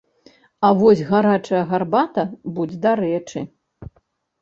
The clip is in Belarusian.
А вось гарачая гарбата будзе дарэчы.